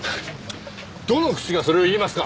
どの口がそれを言いますか！